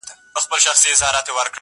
مسکين ته د کلا د سپو سلا يوه ده.